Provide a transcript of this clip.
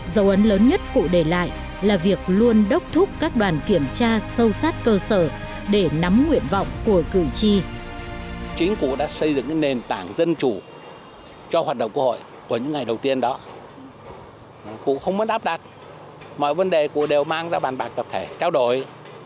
dấu ấn lớn nhất cụ để lại là việc luôn đốc thúc các đoàn kiểm tra sâu sát cơ sở để nắm nguyện vọng của cử tri